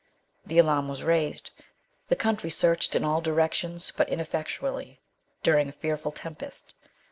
The alarm was raised ; the country searched in all directions, but ineffectually, during a fearful tempest.